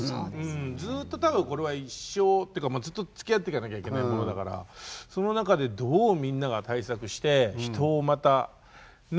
ずっと多分これは一生っていうかずっとつきあっていかなきゃいけないものだからその中でどうみんなが対策して人をまたね。